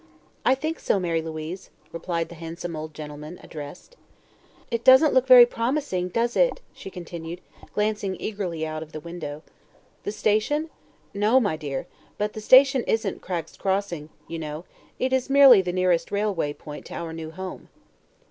"I think so, Mary Louise," replied the handsome old gentleman addressed. "It does look very promising, does it?" she continued, glancing eagerly out of the window. "The station? No, my dear; but the station isn't Cragg's Crossing, you know; it is merely the nearest railway point to our new home."